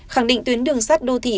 khẳng định tuyến đường sát đô thị